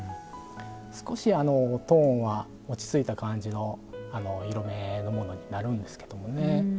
少しトーンは落ち着いた感じの色めのものになるんですけどもね。